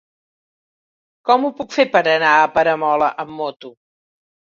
Com ho puc fer per anar a Peramola amb moto?